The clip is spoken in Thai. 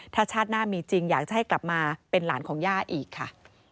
ถ้าชาติหน้ามีจริงอยากจะให้กลับมาเป็นหลานของย่าอีกค่ะ